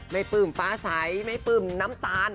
ไม่อุลชาติฟ้าใสไม่ก็บึกใหนน้ำตาล